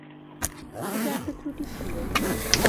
ওটা একটি ত্রুটি ছিলো।